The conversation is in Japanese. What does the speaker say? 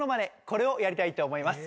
これをやりたいと思います。